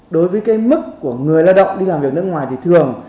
đối với cái mức của người lao động đi làm việc nước ngoài thì thường